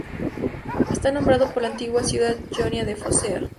Está nombrado por la antigua ciudad jonia de Focea.